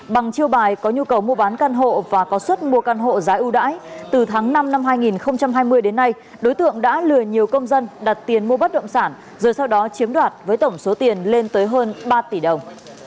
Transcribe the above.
bằng chiêu bài có nhu cầu mua bán căn hộ và có suất mua căn hộ giá ưu đãi từ tháng năm năm hai nghìn hai mươi đến nay đối tượng đã lừa nhiều công dân đặt tiền mua bất động sản rồi sau đó chiếm đoạt với tổng số tiền lên tới hơn ba tỷ đồng